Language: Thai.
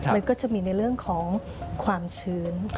มันก็จะมีในเรื่องของความชื้น